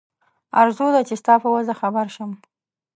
آرزو ده چې ستا په وضع خبر شم.